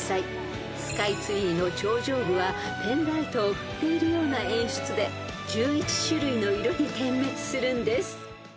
［スカイツリーの頂上部はペンライトを振っているような演出で１１種類の色に点滅するんです］